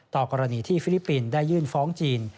ต่อกรณีที่ฟิลิปปินส์ได้ยื่นฟ้องจีน